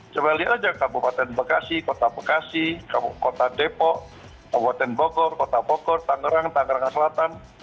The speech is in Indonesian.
coba lihat aja kabupaten bekasi kota bekasi kota depok kabupaten bogor kota bogor tangerang tangerang selatan